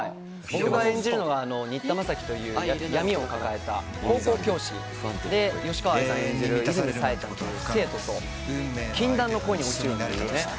僕が演じるのは新田正樹という闇を抱えた高校教師で吉川さん演じる生徒、和泉冴と禁断の恋に落ちるという。